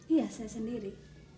iya saya sendiri